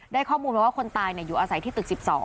ได้ข้อมูลมาว่าคนตายอยู่อาศัยที่ตึก๑๒